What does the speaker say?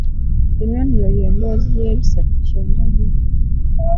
Eno nno y'emboozi ey'ebisatu kyenda mu nnya.